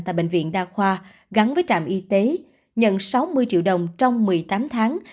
tại bệnh viện đa khoa gắn với trạm y tế nhận sáu mươi triệu đồng trong một mươi tám tháng